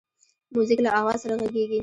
موزیک له آواز سره غږیږي.